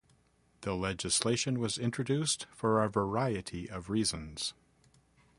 The legislation was introduced for a variety of reasons.